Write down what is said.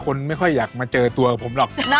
คนไม่ค่อยอยากมาเจอตัวผมหรอก